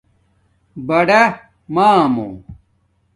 بڑامامُو